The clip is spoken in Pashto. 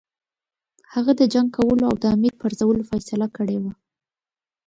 هغه د جنګ کولو او د امیر پرزولو فیصله کړې وه.